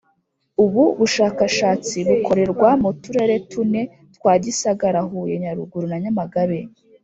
Ubu bushakashatsi bukorerwa mu turere tune twa Gisagara Huye Nyaruguru na Nyamagabe